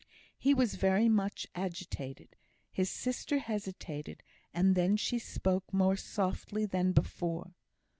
He was very much agitated. His sister hesitated, and then she spoke more softly than before.